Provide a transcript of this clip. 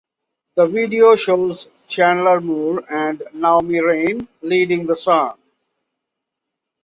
The video shows Chandler Moore and Naomi Raine leading the song.